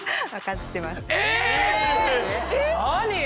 何よ。